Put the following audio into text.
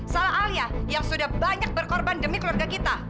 salah alia yang sudah banyak berkorban demi keluarga kita